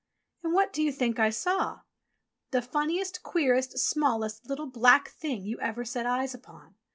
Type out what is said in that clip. And what do you think I saw ? The funniest, queerest, smallest, little, black Thing you ever set eyes upon.